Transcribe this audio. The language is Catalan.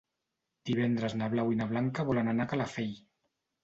Divendres na Blau i na Blanca volen anar a Calafell.